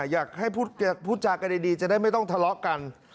อยากให้พูดจากันดีจะได้ไม่ต้องทะเลาะกัน